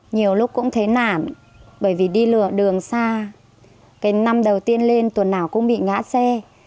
nhiều lúc cũng thế nản bởi vì đi lừa đường xa cái năm đầu tiên lên tuần nào cũng bị ngã xe